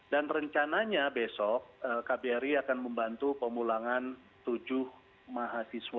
dan rencananya besok kbri akan membantu pemulangan tujuh mahasiswa